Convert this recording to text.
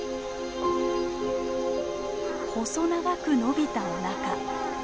細長く伸びたおなか。